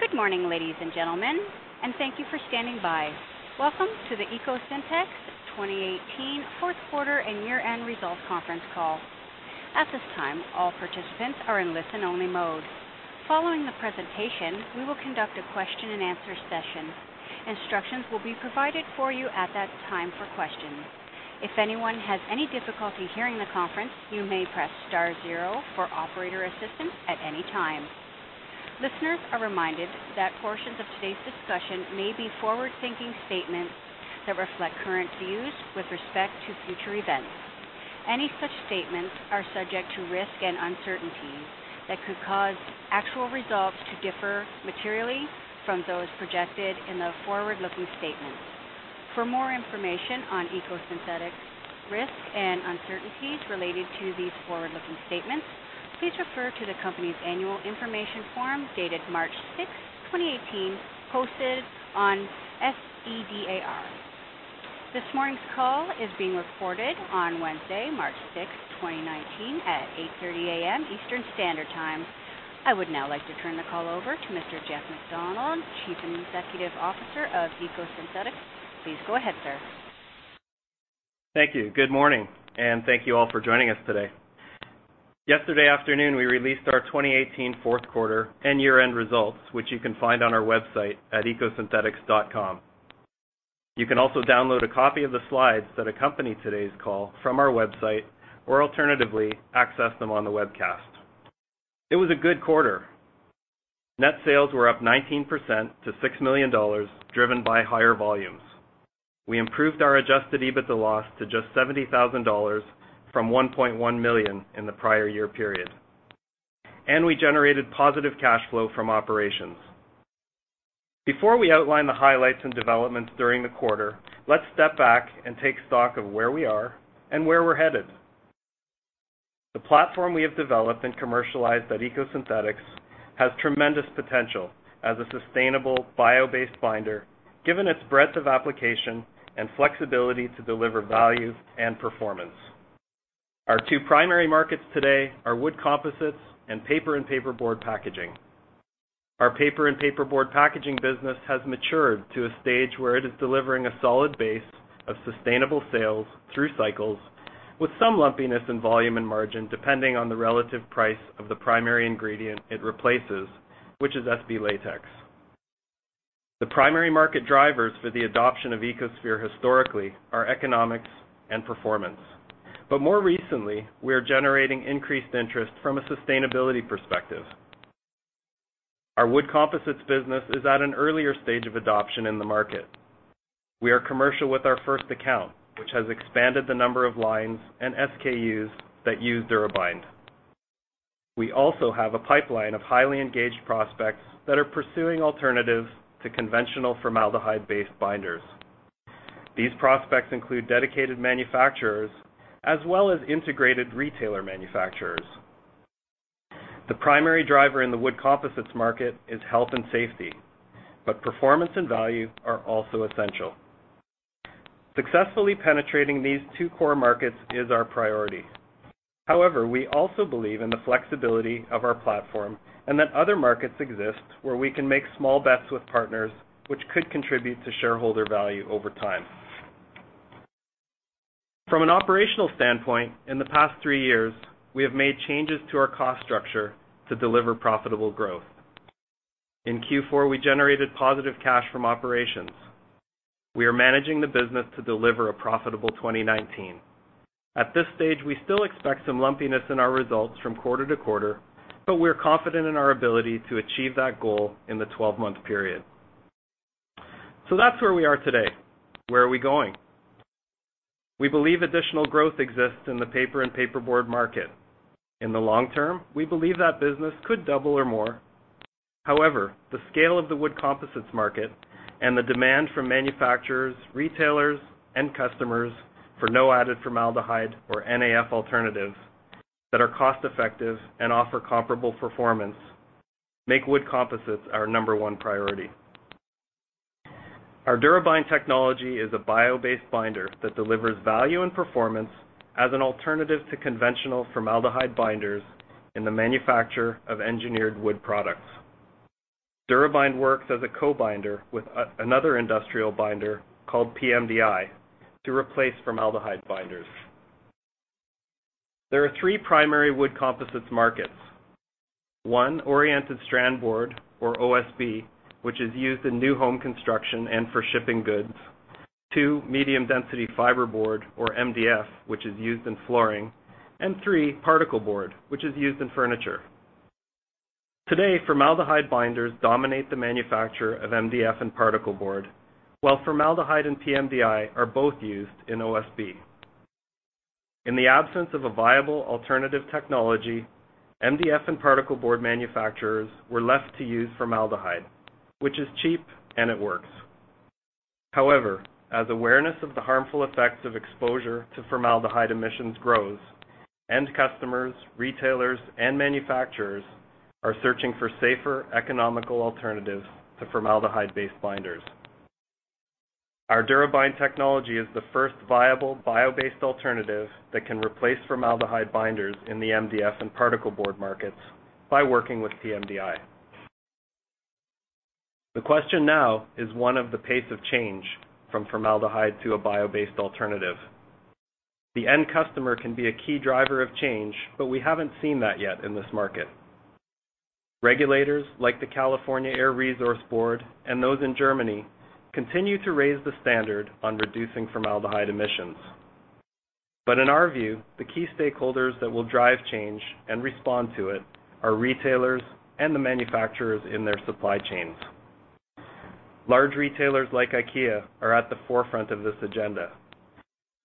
Good morning, ladies and gentlemen, and thank you for standing by. Welcome to the EcoSynthetix 2018 fourth quarter and year-end results conference call. At this time, all participants are in listen-only mode. Following the presentation, we will conduct a question and answer session. Instructions will be provided for you at that time for questions. If anyone has any difficulty hearing the conference, you may press star zero for operator assistance at any time. Listeners are reminded that portions of today's discussion may be forward-thinking statements that reflect current views with respect to future events. Any such statements are subject to risks and uncertainties that could cause actual results to differ materially from those projected in the forward-looking statements. For more information on EcoSynthetix risks and uncertainties related to these forward-looking statements, please refer to the company's annual information form dated March 6th, 2018, posted on SEDAR. This morning's call is being recorded on Wednesday, March 6th, 2019, at 8:30AM. Eastern Standard Time. I would now like to turn the call over to Mr. Jeff MacDonald, Chief Executive Officer of EcoSynthetix. Please go ahead, sir. Thank you. Good morning, and thank you all for joining us today. Yesterday afternoon, we released our 2018 fourth quarter and year-end results, which you can find on our website at ecosynthetix.com. You can also download a copy of the slides that accompany today's call from our website or alternatively, access them on the webcast. It was a good quarter. Net sales were up 19% to $6 million, driven by higher volumes. We improved our Adjusted EBITDA loss to just $70,000 from $1.1 million in the prior year period, and we generated positive cash flow from operations. Before we outline the highlights and developments during the quarter, let's step back and take stock of where we are and where we're headed. The platform we have developed and commercialized at EcoSynthetix has tremendous potential as a sustainable biopolymer binder given its breadth of application and flexibility to deliver value and performance. Our two primary markets today are wood composites and paper and paperboard packaging. Our paper and paperboard packaging business has matured to a stage where it is delivering a solid base of sustainable sales through cycles with some lumpiness in volume and margin, depending on the relative price of the primary ingredient it replaces, which is SB latex. The primary market drivers for the adoption of EcoSphere historically are economics and performance. But more recently, we are generating increased interest from a sustainability perspective. Our wood composites business is at an earlier stage of adoption in the market. We are commercial with our first account, which has expanded the number of lines and SKUs that use DuraBind. We also have a pipeline of highly engaged prospects that are pursuing alternatives to conventional formaldehyde-based binders. These prospects include dedicated manufacturers as well as integrated retailer manufacturers. The primary driver in the wood composites market is health and safety, but performance and value are also essential. Successfully penetrating these two core markets is our priority. We also believe in the flexibility of our platform and that other markets exist where we can make small bets with partners, which could contribute to shareholder value over time. From an operational standpoint, in the past three years, we have made changes to our cost structure to deliver profitable growth. In Q4, we generated positive cash from operations. We are managing the business to deliver a profitable 2019. At this stage, we still expect some lumpiness in our results from quarter to quarter, but we're confident in our ability to achieve that goal in the 12-month period. That's where we are today. Where are we going? We believe additional growth exists in the paper and paperboard market. In the long term, we believe that business could double or more. The scale of the wood composites market and the demand from manufacturers, retailers, and customers for no added formaldehyde or NAF alternatives that are cost-effective and offer comparable performance make wood composites our number one priority. Our DuraBind technology is a bio-based binder that delivers value and performance as an alternative to conventional formaldehyde binders in the manufacture of engineered wood products. DuraBind works as a co-binder with another industrial binder called pMDI to replace formaldehyde binders. There are three primary wood composites markets. One, oriented strand board or OSB, which is used in new home construction and for shipping goods. Two, medium-density fiberboard or MDF, which is used in flooring. Three, particleboard, which is used in furniture. Today, formaldehyde binders dominate the manufacture of MDF and particleboard, while formaldehyde and pMDI are both used in OSB. In the absence of a viable alternative technology, MDF and particleboard manufacturers were left to use formaldehyde, which is cheap and it works. As awareness of the harmful effects of exposure to formaldehyde emissions grows, end customers, retailers, and manufacturers are searching for safer, economical alternatives to formaldehyde-based binders. Our DuraBind technology is the first viable bio-based alternative that can replace formaldehyde binders in the MDF and particleboard markets by working with pMDI. The question now is one of the pace of change from formaldehyde to a bio-based alternative. The end customer can be a key driver of change, but we haven't seen that yet in this market. Regulators, like the California Air Resources Board and those in Germany, continue to raise the standard on reducing formaldehyde emissions. In our view, the key stakeholders that will drive change and respond to it are retailers and the manufacturers in their supply chains. Large retailers like IKEA are at the forefront of this agenda,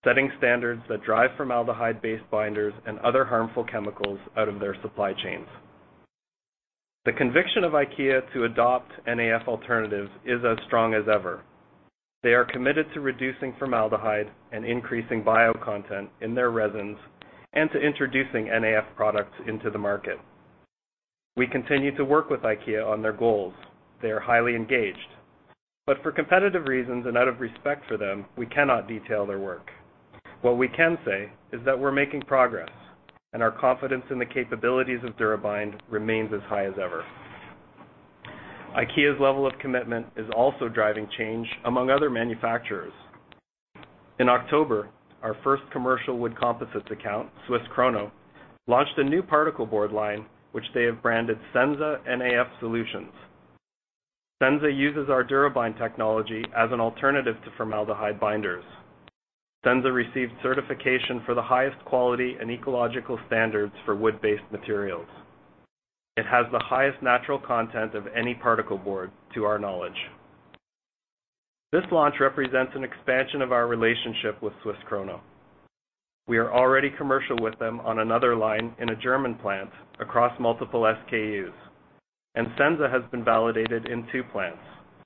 setting standards that drive formaldehyde-based binders and other harmful chemicals out of their supply chains. The conviction of IKEA to adopt NAF alternatives is as strong as ever. They are committed to reducing formaldehyde and increasing bio content in their resins, and to introducing NAF products into the market. We continue to work with IKEA on their goals. They are highly engaged. For competitive reasons and out of respect for them, we cannot detail their work. What we can say is that we're making progress, and our confidence in the capabilities of DuraBind remains as high as ever. IKEA's level of commitment is also driving change among other manufacturers. In October, our first commercial wood composites account, Swiss Krono, launched a new particleboard line, which they have branded Senza NAF Solutions. Senza uses our DuraBind technology as an alternative to formaldehyde binders. Senza received certification for the highest quality and ecological standards for wood-based materials. It has the highest natural content of any particleboard, to our knowledge. This launch represents an expansion of our relationship with Swiss Krono. We are already commercial with them on another line in a German plant across multiple SKUs, and Senza has been validated in two plants,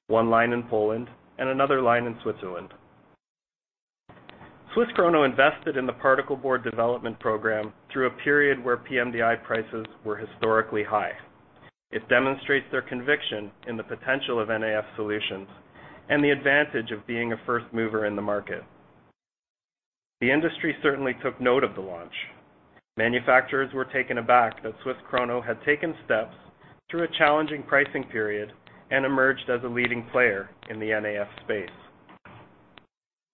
one line in Poland and another line in Switzerland. Swiss Krono invested in the particleboard development program through a period where pMDI prices were historically high. It demonstrates their conviction in the potential of NAF Solutions and the advantage of being a first mover in the market. The industry certainly took note of the launch. Manufacturers were taken aback that Swiss Krono had taken steps through a challenging pricing period and emerged as a leading player in the NAF space.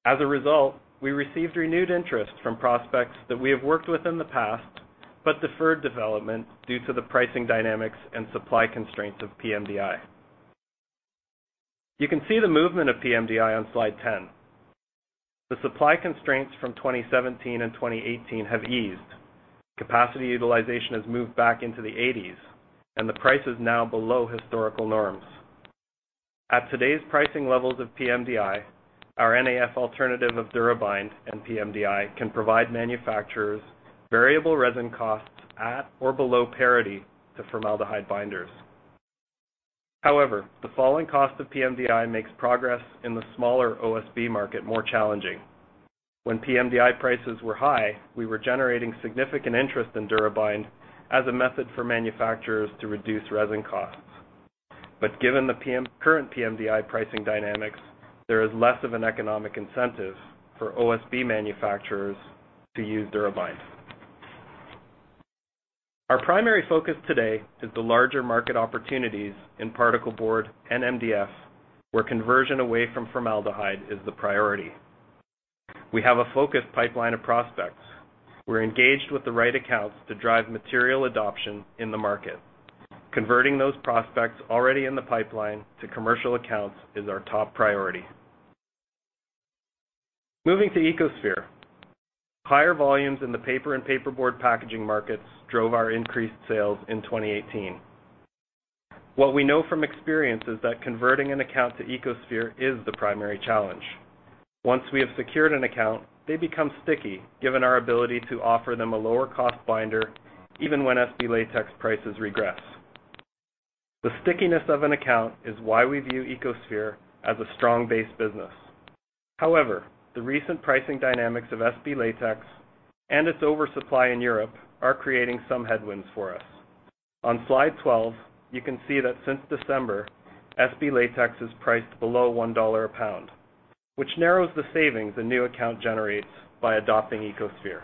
As a result, we received renewed interest from prospects that we have worked with in the past, but deferred development due to the pricing dynamics and supply constraints of pMDI. You can see the movement of pMDI on slide 10. The supply constraints from 2017 and 2018 have eased. Capacity utilization has moved back into the 80s, and the price is now below historical norms. At today's pricing levels of pMDI, our NAF alternative of DuraBind and pMDI can provide manufacturers variable resin costs at or below parity to formaldehyde binders. However, the falling cost of pMDI makes progress in the smaller OSB market more challenging. When pMDI prices were high, we were generating significant interest in DuraBind as a method for manufacturers to reduce resin costs. Given the current pMDI pricing dynamics, there is less of an economic incentive for OSB manufacturers to use DuraBind. Our primary focus today is the larger market opportunities in particleboard and MDF, where conversion away from formaldehyde is the priority. We have a focused pipeline of prospects. We are engaged with the right accounts to drive material adoption in the market. Converting those prospects already in the pipeline to commercial accounts is our top priority. Moving to EcoSphere. Higher volumes in the paper and paperboard packaging markets drove our increased sales in 2018. What we know from experience is that converting an account to EcoSphere is the primary challenge. Once we have secured an account, they become sticky, given our ability to offer them a lower cost binder, even when SB latex prices regress. The stickiness of an account is why we view EcoSphere as a strong base business. However, the recent pricing dynamics of SB latex and its oversupply in Europe are creating some headwinds for us. On slide 12, you can see that since December, SB latex is priced below $1 a pound, which narrows the savings a new account generates by adopting EcoSphere.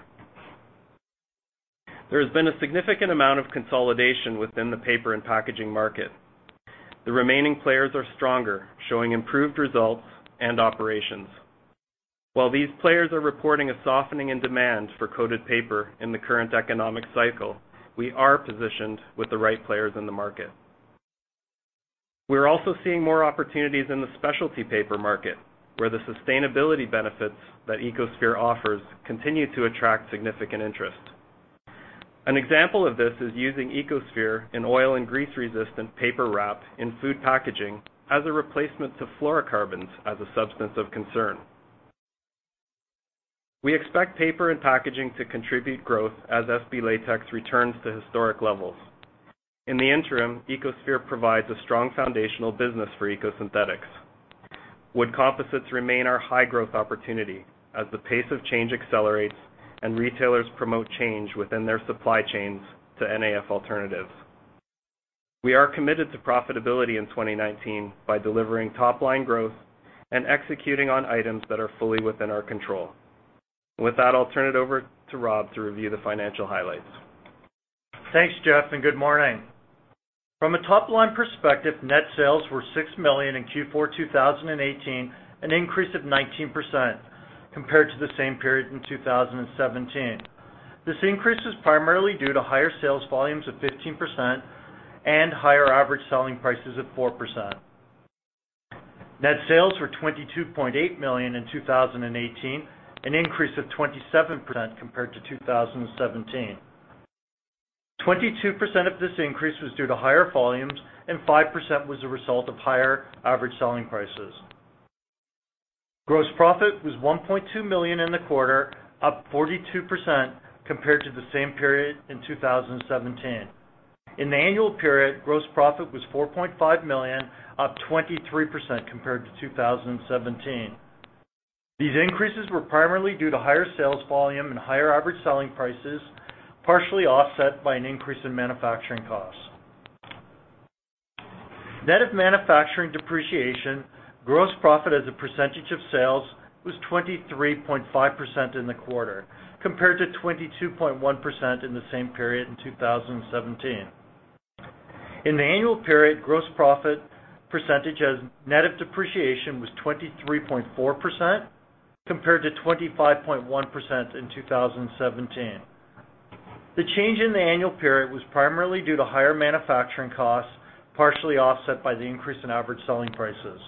There has been a significant amount of consolidation within the paper and packaging market. The remaining players are stronger, showing improved results and operations. While these players are reporting a softening in demand for coated paper in the current economic cycle, we are positioned with the right players in the market. We're also seeing more opportunities in the specialty paper market, where the sustainability benefits that EcoSphere offers continue to attract significant interest. An example of this is using EcoSphere in oil and grease-resistant paper wrap in food packaging as a replacement to fluorocarbons as a substance of concern. We expect paper and packaging to contribute growth as SB latex returns to historic levels. In the interim, EcoSphere provides a strong foundational business for EcoSynthetix. Wood composites remain our high-growth opportunity as the pace of change accelerates and retailers promote change within their supply chains to NAF alternatives. We are committed to profitability in 2019 by delivering top-line growth and executing on items that are fully within our control. With that, I'll turn it over to Rob to review the financial highlights. Thanks, Jeff. Good morning. From a top-line perspective, net sales were 6 million in Q4 2018, an increase of 19% compared to the same period in 2017. This increase was primarily due to higher sales volumes of 15% and higher average selling prices of 4%. Net sales were 22.8 million in 2018, an increase of 27% compared to 2017. 22% of this increase was due to higher volumes, and 5% was a result of higher average selling prices. Gross profit was 1.2 million in the quarter, up 42% compared to the same period in 2017. In the annual period, gross profit was 4.5 million, up 23% compared to 2017. These increases were primarily due to higher sales volume and higher average selling prices, partially offset by an increase in manufacturing costs. Net of manufacturing depreciation, gross profit as a percentage of sales was 23.5% in the quarter, compared to 22.1% in the same period in 2017. In the annual period, gross profit percentage as net of depreciation was 23.4%, compared to 25.1% in 2017. The change in the annual period was primarily due to higher manufacturing costs, partially offset by the increase in average selling prices.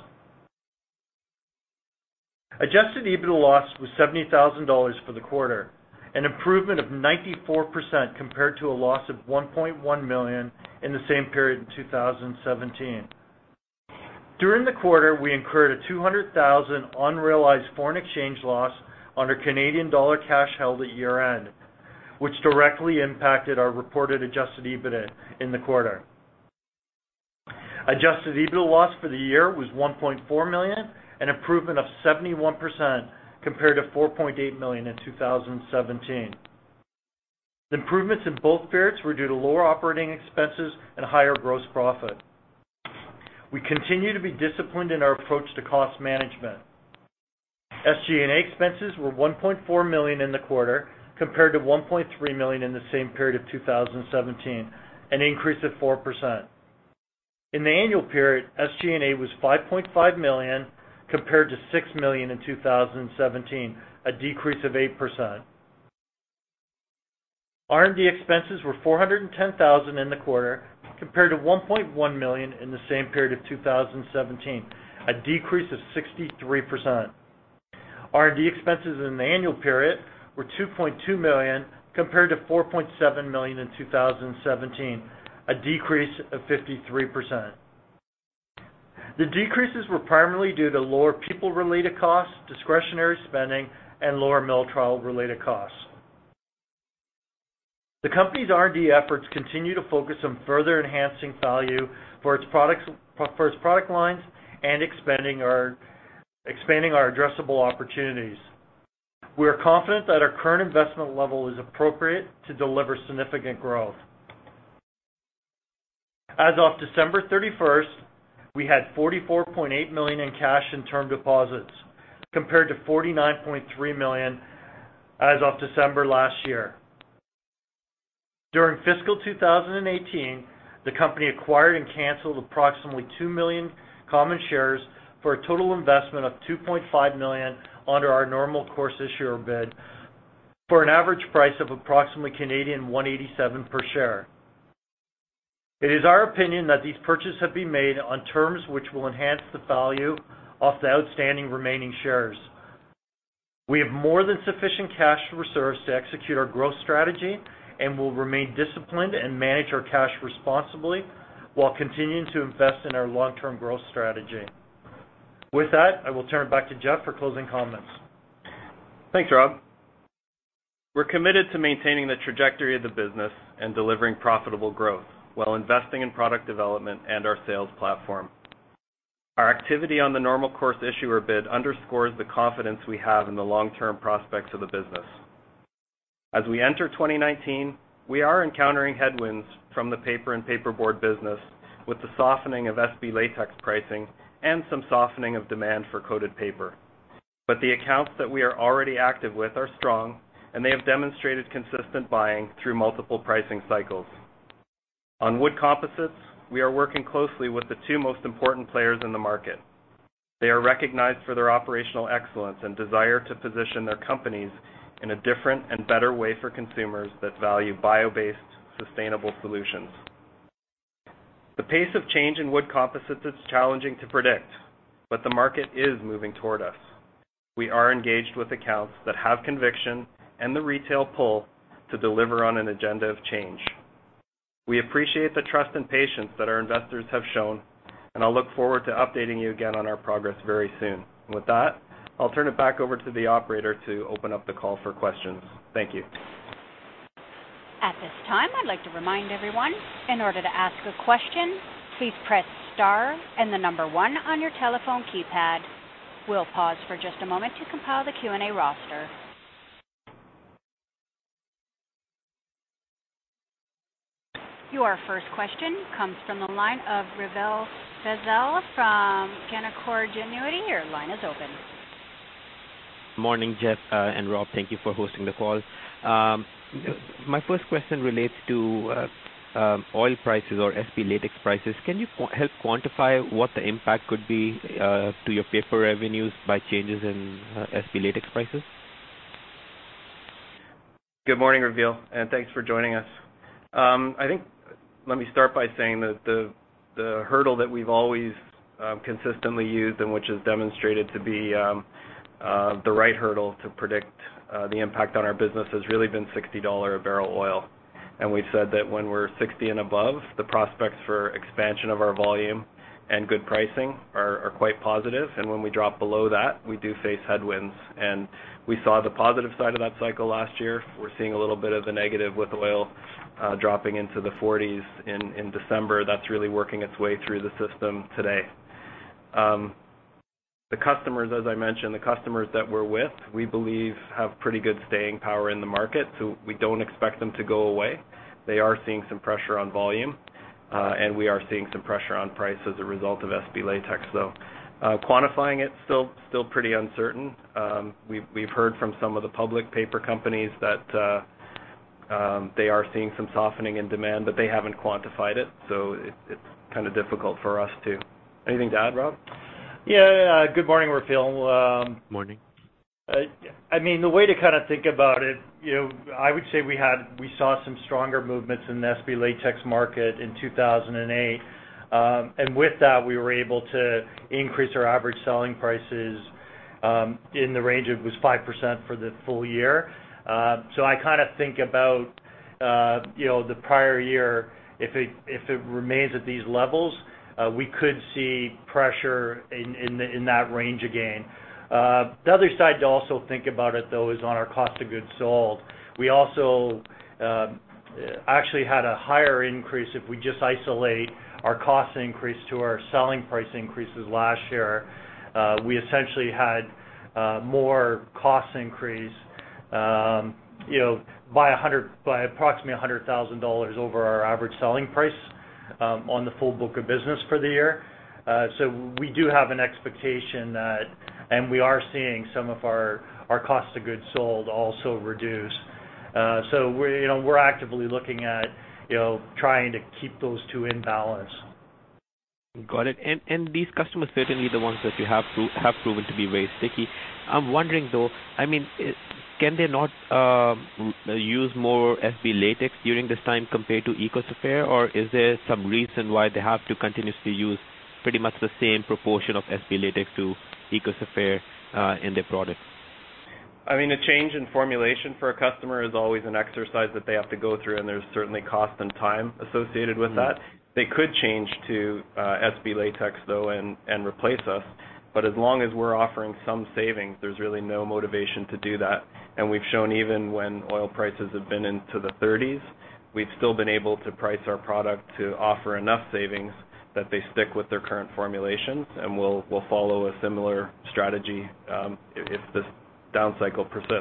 Adjusted EBITDA loss was 70,000 dollars for the quarter, an improvement of 94% compared to a loss of 1.1 million in the same period in 2017. During the quarter, we incurred a 200,000 unrealized foreign exchange loss on our Canadian dollar cash held at year-end, which directly impacted our reported Adjusted EBITDA in the quarter. Adjusted EBITDA loss for the year was 1.4 million, an improvement of 71% compared to 4.8 million in 2017. The improvements in both periods were due to lower operating expenses and higher gross profit. We continue to be disciplined in our approach to cost management. SG&A expenses were 1.4 million in the quarter, compared to 1.3 million in the same period of 2017, an increase of 4%. In the annual period, SG&A was 5.5 million compared to 6 million in 2017, a decrease of 8%. R&D expenses were 410,000 in the quarter, compared to 1.1 million in the same period of 2017, a decrease of 63%. R&D expenses in the annual period were 2.2 million compared to 4.7 million in 2017, a decrease of 53%. The decreases were primarily due to lower people-related costs, discretionary spending, and lower mill trial related costs. The company's R&D efforts continue to focus on further enhancing value for its product lines and expanding our addressable opportunities. We are confident that our current investment level is appropriate to deliver significant growth. As of December 31st, we had 44.8 million in cash and term deposits, compared to 49.3 million as of December last year. During fiscal 2018, the company acquired and canceled approximately two million common shares for a total investment of 2.5 million under our Normal Course Issuer Bid for an average price of approximately 1.87 per share. It is our opinion that these purchases have been made on terms which will enhance the value of the outstanding remaining shares. We have more than sufficient cash reserves to execute our growth strategy and will remain disciplined and manage our cash responsibly while continuing to invest in our long-term growth strategy. With that, I will turn it back to Jeff for closing comments. Thanks, Rob. We're committed to maintaining the trajectory of the business and delivering profitable growth while investing in product development and our sales platform. Our activity on the Normal Course Issuer Bid underscores the confidence we have in the long-term prospects of the business. As we enter 2019, we are encountering headwinds from the paper and paperboard business with the softening of SB latex pricing and some softening of demand for coated paper. The accounts that we are already active with are strong, and they have demonstrated consistent buying through multiple pricing cycles. On wood composites, we are working closely with the two most important players in the market. They are recognized for their operational excellence and desire to position their companies in a different and better way for consumers that value bio-based, sustainable solutions. The pace of change in wood composites is challenging to predict, but the market is moving toward us. We are engaged with accounts that have conviction and the retail pull to deliver on an agenda of change. We appreciate the trust and patience that our investors have shown, I look forward to updating you again on our progress very soon. With that, I'll turn it back over to the operator to open up the call for questions. Thank you. At this time, I'd like to remind everyone, in order to ask a question, please press star and the number 1 on your telephone keypad. We'll pause for just a moment to compile the Q&A roster. Your first question comes from the line of Raveel Afzal from Canaccord Genuity. Your line is open. Morning, Jeff and Rob. Thank you for hosting the call. My first question relates to oil prices or SB latex prices. Can you help quantify what the impact could be to your paper revenues by changes in SB latex prices? Good morning, Raveel, thanks for joining us. Let me start by saying that the hurdle that we've always consistently used, and which has demonstrated to be the right hurdle to predict the impact on our business, has really been $60 a barrel oil. We've said that when we're 60 and above, the prospects for expansion of our volume and good pricing are quite positive. When we drop below that, we do face headwinds. We saw the positive side of that cycle last year. We're seeing a little bit of the negative with oil dropping into the 40s in December. That's really working its way through the system today. The customers, as I mentioned, the customers that we're with, we believe have pretty good staying power in the market, so we don't expect them to go away. They are seeing some pressure on volume, and we are seeing some pressure on price as a result of SB latex, though. Quantifying it, still pretty uncertain. We've heard from some of the public paper companies that they are seeing some softening in demand, but they haven't quantified it, so it's kind of difficult for us too. Anything to add, Rob? Yeah. Good morning, Raveel. Morning. I mean, the way to kind of think about it, I would say we saw some stronger movements in the SB latex market in 2008. With that, we were able to increase our average selling prices in the range of, it was 5% for the full year. I kind of think about the prior year. If it remains at these levels, we could see pressure in that range again. The other side to also think about it, though, is on our cost of goods sold. We also actually had a higher increase if we just isolate our cost increase to our selling price increases last year. We essentially had more cost increase by approximately 100,000 dollars over our average selling price on the full book of business for the year. We do have an expectation that, and we are seeing some of our cost of goods sold also reduce. We're actively looking at trying to keep those two in balance. Got it. These customers certainly the ones that you have proven to be very sticky. I'm wondering, though, can they not use more SB latex during this time compared to EcoSynthetix? Is there some reason why they have to continuously use pretty much the same proportion of SB latex to EcoSynthetix in their products? A change in formulation for a customer is always an exercise that they have to go through, and there's certainly cost and time associated with that. They could change to SB latex, though, and replace us. As long as we're offering some savings, there's really no motivation to do that. We've shown even when oil prices have been into the 30s, we've still been able to price our product to offer enough savings that they stick with their current formulations, and we'll follow a similar strategy, if this down cycle persists.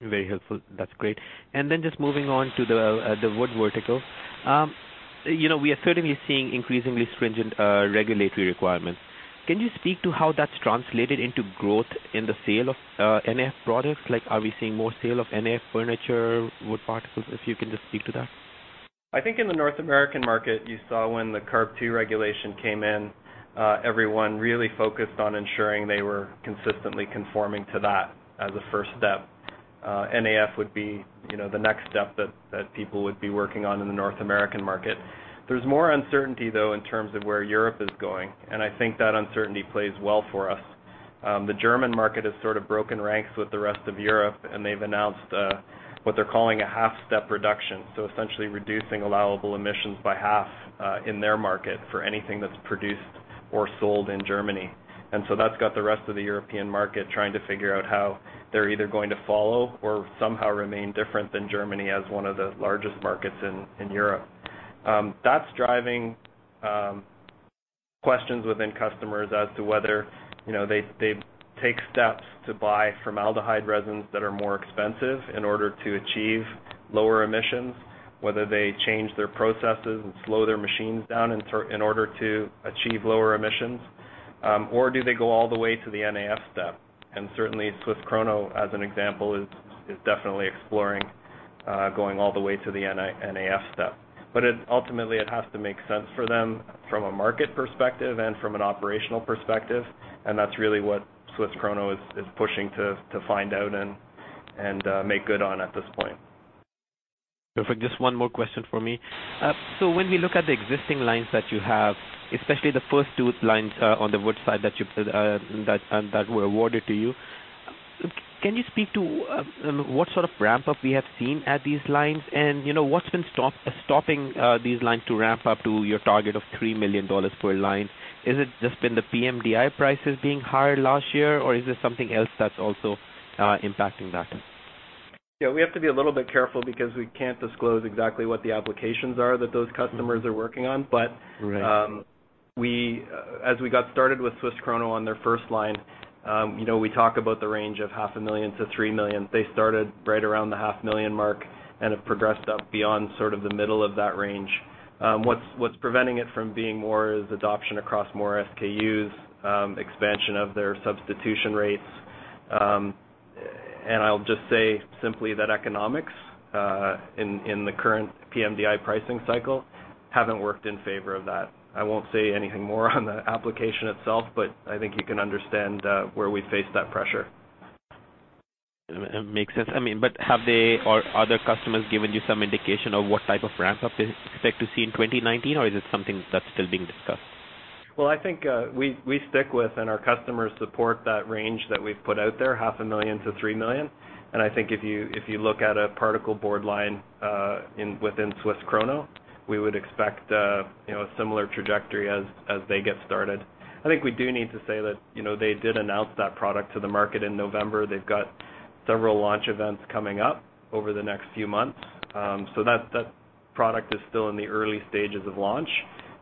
Very helpful. That's great. Just moving on to the wood vertical. We are certainly seeing increasingly stringent regulatory requirements. Can you speak to how that's translated into growth in the sale of NAF products? Like are we seeing more sale of NAF furniture, wood particles, if you can just speak to that? I think in the North American market, you saw when the CARB phase II regulation came in, everyone really focused on ensuring they were consistently conforming to that as a first step. NAF would be the next step that people would be working on in the North American market. There's more uncertainty, though, in terms of where Europe is going, and I think that uncertainty plays well for us. The German market has sort of broken ranks with the rest of Europe, and they've announced what they're calling a half-step reduction, so essentially reducing allowable emissions by half, in their market for anything that's produced or sold in Germany. That's got the rest of the European market trying to figure out how they're either going to follow or somehow remain different than Germany as one of the largest markets in Europe. That's driving questions within customers as to whether they take steps to buy formaldehyde resins that are more expensive in order to achieve lower emissions, whether they change their processes and slow their machines down in order to achieve lower emissions, or do they go all the way to the NAF step. Certainly Swiss Krono, as an example, is definitely exploring going all the way to the NAF step. Ultimately it has to make sense for them from a market perspective and from an operational perspective, and that's really what Swiss Krono is pushing to find out and make good on at this point. Perfect. Just one more question for me. When we look at the existing lines that you have, especially the first two lines on the wood side that were awarded to you, can you speak to what sort of ramp-up we have seen at these lines? What's been stopping these lines to ramp up to your target of 3 million dollars per line? Is it just been the pMDI prices being higher last year, or is there something else that's also impacting that? Yeah, we have to be a little bit careful because we can't disclose exactly what the applications are that those customers are working on. Right. As we got started with Swiss Krono on their first line. We talk about the range of CAD half a million to 3 million. They started right around the CAD half million mark and have progressed up beyond sort of the middle of that range. What's preventing it from being more is adoption across more SKUs, expansion of their substitution rates, and I'll just say simply that economics in the current pMDI pricing cycle haven't worked in favor of that. I won't say anything more on the application itself, but I think you can understand where we face that pressure. Makes sense. Have they or other customers given you some indication of what type of ramp-up they expect to see in 2019, or is it something that's still being discussed? Well, I think we stick with, and our customers support that range that we've put out there, CAD half a million to 3 million. I think if you look at a particleboard line within Swiss Krono, we would expect a similar trajectory as they get started. I think we do need to say that they did announce that product to the market in November. They've got several launch events coming up over the next few months. That product is still in the early stages of launch.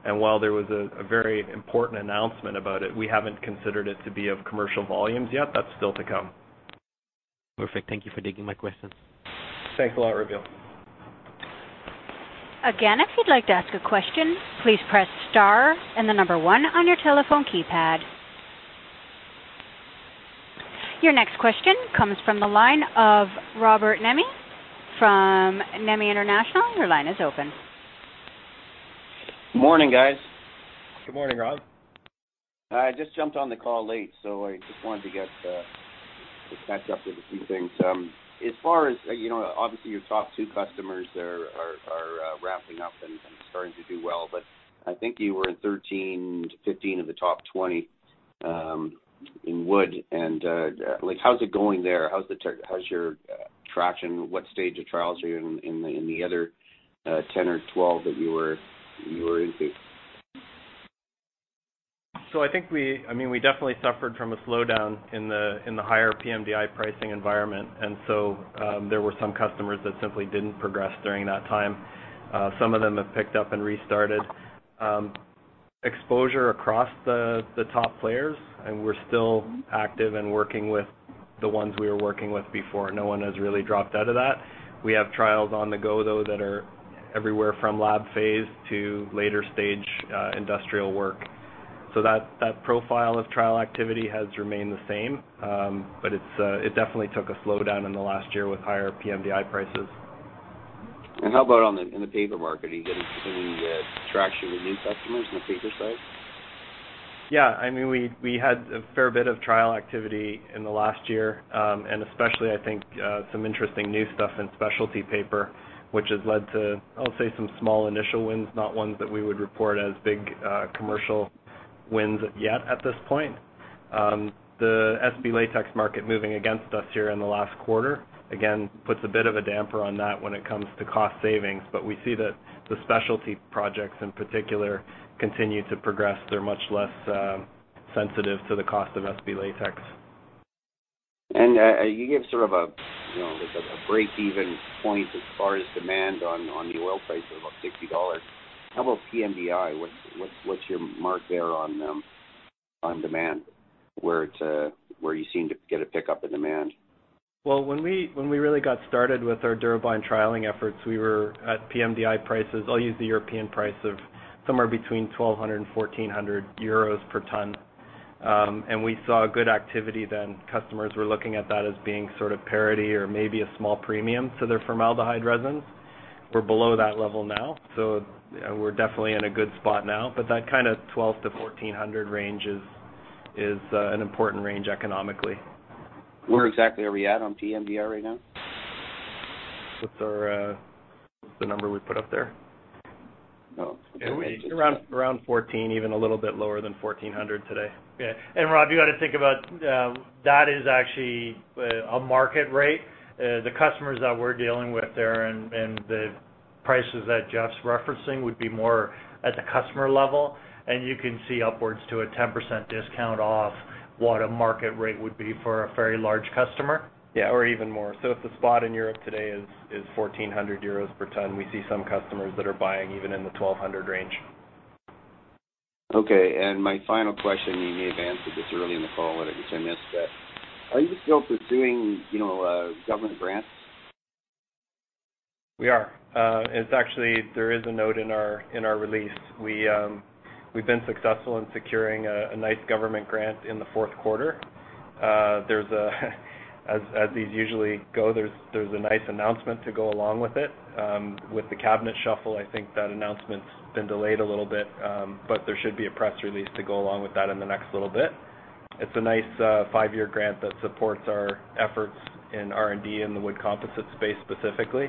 While there was a very important announcement about it, we haven't considered it to be of commercial volumes yet. That's still to come. Perfect. Thank you for taking my question. Thanks a lot, Raveel. If you'd like to ask a question, please press star and the number one on your telephone keypad. Your next question comes from the line of Robert Nemi from Nemi International. Your line is open. Morning, guys. Good morning, Rob. I just jumped on the call late, I just wanted to get to catch up with a few things. Obviously, your top two customers there are ramping up and starting to do well, I think you were in 13-15 of the top 20 in wood, how's it going there? How's your traction? What stage of trials are you in the other 10 or 12 that you were into? I think we definitely suffered from a slowdown in the higher pMDI pricing environment. There were some customers that simply didn't progress during that time. Some of them have picked up and restarted. Exposure across the top players, we're still active and working with the ones we were working with before. No one has really dropped out of that. We have trials on the go, though, that are everywhere from lab phase to later stage industrial work. That profile of trial activity has remained the same. It definitely took a slowdown in the last year with higher pMDI prices. How about in the paper market? Are you getting any traction with new customers on the paper side? Yeah, we had a fair bit of trial activity in the last year, especially, I think, some interesting new stuff in specialty paper, which has led to, I'll say, some small initial wins, not ones that we would report as big commercial wins yet at this point. The SB latex market moving against us here in the last quarter, again, puts a bit of a damper on that when it comes to cost savings. We see that the specialty projects, in particular, continue to progress. They're much less sensitive to the cost of SB latex. You give sort of a break-even point as far as demand on the oil price of about 60 dollars. How about pMDI? What's your mark there on demand, where you seem to get a pickup in demand? Well, when we really got started with our DuraBind trialing efforts, we were at pMDI prices, I'll use the European price of somewhere between 1,200 and 1,400 euros per ton. We saw good activity then. Customers were looking at that as being sort of parity or maybe a small premium to their formaldehyde resin. We're below that level now, so we're definitely in a good spot now. That kind of 1,200-1,400 range is an important range economically. Where exactly are we at on pMDI right now? What's the number we put up there? No. Around 1,400, even a little bit lower than 1,400 today. Yeah. Rob, you got to think about, that is actually a market rate. The customers that we're dealing with there and the prices that Jeff's referencing would be more at the customer level. You can see upwards to a 10% discount off what a market rate would be for a very large customer. Yeah, or even more. If the spot in Europe today is 1,400 euros per ton, we see some customers that are buying even in the 1,200 range. Okay, my final question, you may have answered this early in the call, I guess I missed it. Are you still pursuing government grants? We are. It's actually, there is a note in our release. We've been successful in securing a nice government grant in the fourth quarter. As these usually go, there's a nice announcement to go along with it. With the cabinet shuffle, I think that announcement's been delayed a little bit. There should be a press release to go along with that in the next little bit. It's a nice five-year grant that supports our efforts in R&D in the wood composite space specifically.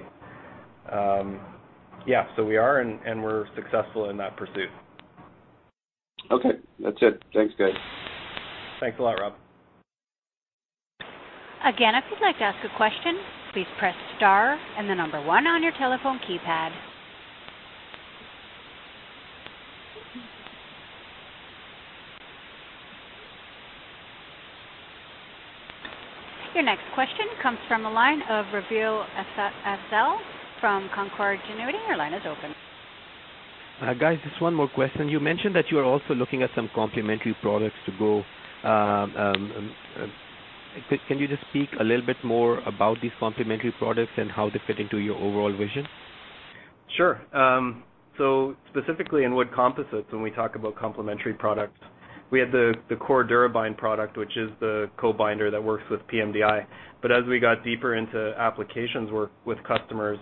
Yeah, we are, and we're successful in that pursuit. Okay. That's it. Thanks, guys. Thanks a lot, Rob. Again, if you'd like to ask a question, please press star and the number one on your telephone keypad. Your next question comes from the line of Raveel Afzal from Canaccord Genuity. Your line is open. Guys, just one more question. You mentioned that you are also looking at some complementary products to go. Can you just speak a little bit more about these complementary products and how they fit into your overall vision? Specifically in wood composites, when we talk about complementary products, we have the core DuraBind product, which is the co-binder that works with pMDI. As we got deeper into applications work with customers,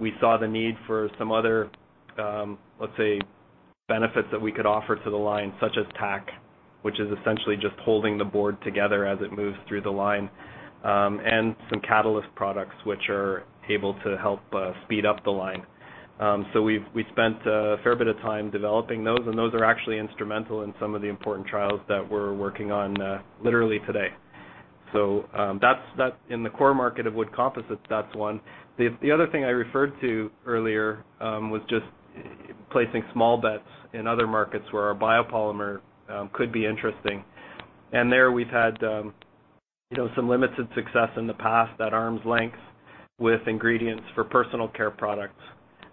we saw the need for some other, let's say, benefits that we could offer to the line, such as tack, which is essentially just holding the board together as it moves through the line, and some catalyst products, which are able to help speed up the line. We've spent a fair bit of time developing those, and those are actually instrumental in some of the important trials that we're working on literally today. In the core market of wood composites, that's one. The other thing I referred to earlier was just placing small bets in other markets where our biopolymer could be interesting. There we've had some limited success in the past at arm's length with ingredients for personal care products.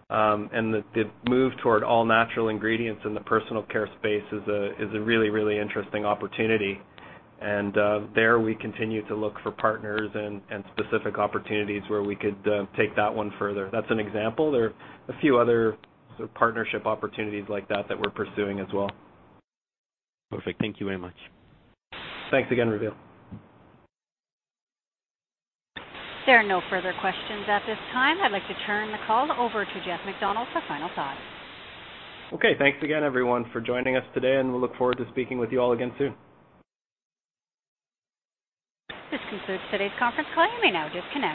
The move toward all-natural ingredients in the personal care space is a really, really interesting opportunity. There we continue to look for partners and specific opportunities where we could take that one further. That's an example. There are a few other sort of partnership opportunities like that that we're pursuing as well. Perfect. Thank you very much. Thanks again, Raveel. There are no further questions at this time. I'd like to turn the call over to Jeff MacDonald for final thoughts. Okay. Thanks again, everyone, for joining us today. We look forward to speaking with you all again soon. This concludes today's conference call. You may now disconnect.